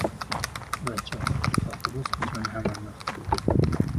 کوهه آب